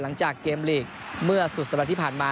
หลังจากเกมลีกเมื่อสุดสัปดาห์ที่ผ่านมา